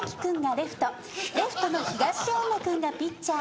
レフトの東恩納君がピッチャー。